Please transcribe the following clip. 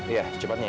iya secepatnya ya